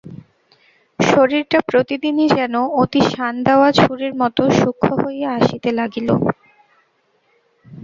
শরীরটা প্রতিদিনই যেন অতি-শান-দেওয়া ছুরির মতো সূক্ষ্ণ হইয়া আসিতে লাগিল।